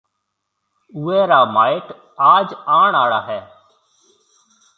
اُوئي را مائيٽ آج آڻ آݪا هيَ۔